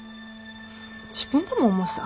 自分でも思うさ。